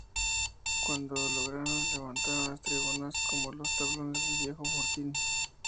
Cuando lo lograron, levantaron las tribunas con los tablones del viejo Fortín.